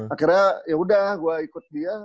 akhirnya yaudah gue ikut dia